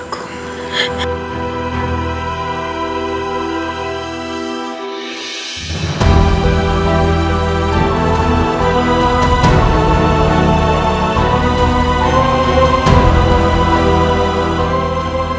aku akan membawanya ke sini